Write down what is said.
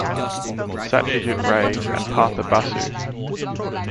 Satyajit Ray and Partha Basu.